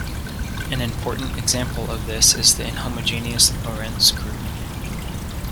An important example of this is the inhomogeneous Lorentz group.